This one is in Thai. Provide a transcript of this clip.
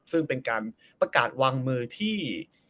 ซึ่งเป็นการประกาศวางมือที่